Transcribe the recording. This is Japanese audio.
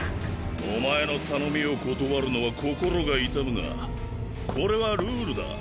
お前の頼みを断るのは心が痛むがこれはルールだ。